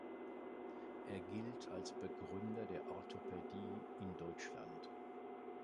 Er gilt als Begründer der Orthopädie in Deutschland.